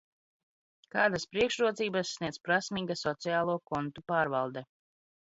Kādas priekšrocības sniedz prasmīga sociālo kontu pārvalde?